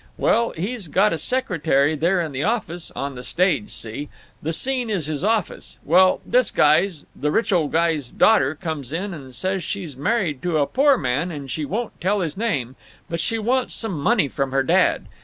Well, he's got a secretary there in the office—on the stage, see? The scene is his office. Well, this guy's—the rich old guy's—daughter comes in and says she's married to a poor man and she won't tell his name, but she wants some money from her dad.